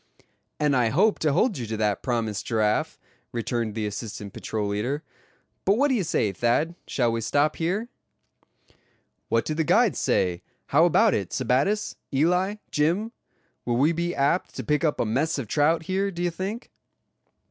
"And I hope to hold you to that promise, Giraffe," returned the assistant patrol leader. "But what d'ye say, Thad, shall we stop here?" "What do the guides say; how about it, Sebattis, Eli, Jim; will we be apt to pick up a mess of trout here, do you think?"